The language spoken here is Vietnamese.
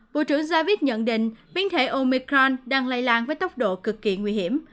bộ trưởng javid nhận định biến thể omicron đang lây lan với tốc độ cực kỳ nguy hiểm